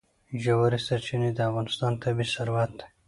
ژورې سرچینې د افغانستان طبعي ثروت دی.